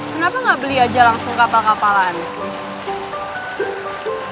kenapa nggak beli aja langsung kapal kapalan